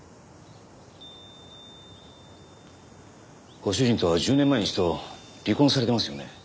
ご主人とは１０年前に一度離婚されてますよね？